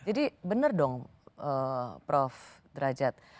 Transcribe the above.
jadi benar dong prof derajat